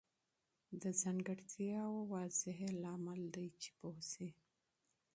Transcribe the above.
د ځانګړتیاوو تشریح لامل دی چې پوه سئ.